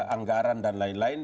anggaran dan lain lain